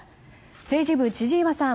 政治部、千々岩さん。